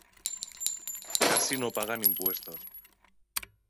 Casi no pagan impuestos.